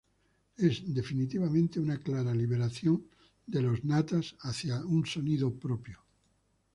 Es definitivamente, una clara liberación de Los Natas hacia un sonido propio.